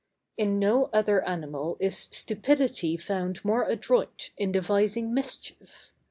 In no other animal is stupidity found more adroit in devising mischief.